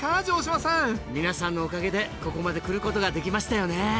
城島さん皆さんのおかげでここまでくることができましたよね